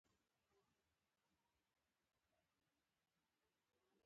لومړی به یې هغو ته موقع ور کول چې لاندې راشي.